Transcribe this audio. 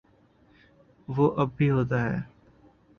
وہ اب بھی ہوتا ہے۔